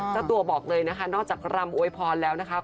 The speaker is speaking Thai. เจ้าตัวบอกเลยนะคะนอกจากรำโวยพรแล้วนะคะ